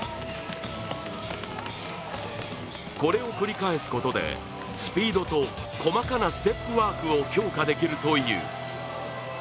これを繰り返すことでスピードと細かなステップワークを強化できるという。